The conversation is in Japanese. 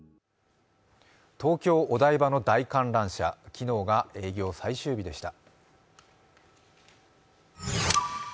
東京・お台場の大観覧車、昨日が営業最終日でした。